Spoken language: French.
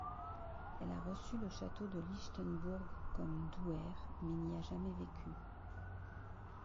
Elle a reçu le château de Lichtenbourg comme douaire, mais n'y a jamais vécu.